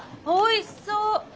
おいしそう！